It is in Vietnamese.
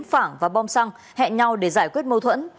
phảng và bom xăng hẹn nhau để giải quyết mâu thuẫn